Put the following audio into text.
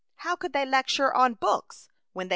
How could they lecture on books, when they